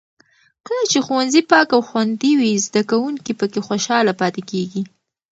کله چې ښوونځي پاک او خوندي وي، زده کوونکي پکې خوشحاله پاتې کېږي.